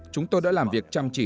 chúng tôi đã làm việc chăm chỉ